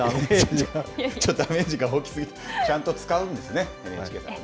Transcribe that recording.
ちょっとダメージが大きすぎて、ちゃんと使うんですね、ＮＨＫさんはね。